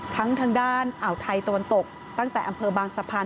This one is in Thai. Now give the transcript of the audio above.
ทางด้านอ่าวไทยตะวันตกตั้งแต่อำเภอบางสะพาน